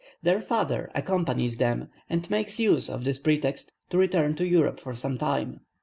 Their father accompanies them, and makes use of this pretext to return to Europe for some time.